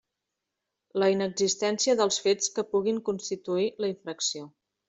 La inexistència dels fets que puguin constituir la infracció.